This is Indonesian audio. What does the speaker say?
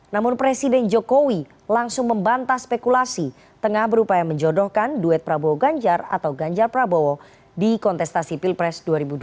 namun presiden jokowi langsung membantah spekulasi tengah berupaya menjodohkan duet prabowo ganjar atau ganjar prabowo di kontestasi pilpres dua ribu dua puluh